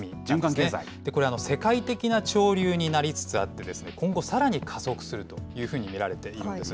これ、世界的な潮流になりつつあってですね、今後さらに加速するというふうに見られているんです。